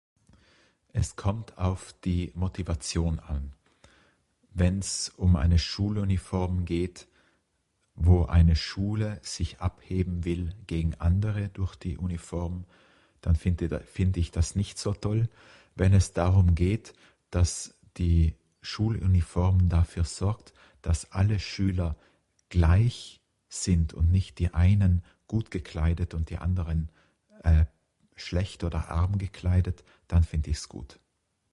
Es kommt auf die Motivation an. Wenns um eine Schuluniform geht wo eine Schule sich abheben will gegen andere durch die Uniform, dann finde find ich das nicht so toll. Wenn es darum geht das die Schuluniform dafür sorgt das alle Schüler gleich sind und nicht die einen gut gekleidet und die anderen eh schlecht oder arm gekleidet dann find ichs gut.